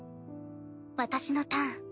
私のターン。